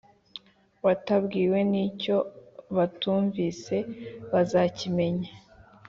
batabwiwe n icyo batumvise bazakimenya